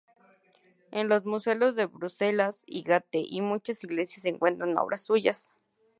En los museos de Bruselas y Gante y muchas iglesias se encuentran obras suyas.